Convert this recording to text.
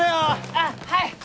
あっはい！